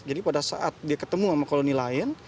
jadi pada saat dia ketemu sama koloni lain